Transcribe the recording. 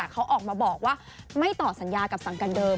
เขาออกมาบอกว่าไม่ต่อสัญญากับสั่งการเดิม